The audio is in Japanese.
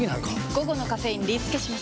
午後のカフェインリスケします！